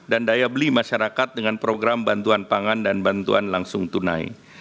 dan daya beli masyarakat dengan program bantuan pangan dan bantuan ekonomi